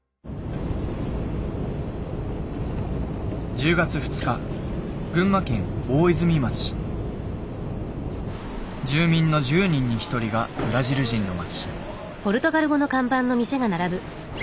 １０月２日住民の１０人に１人がブラジル人の町。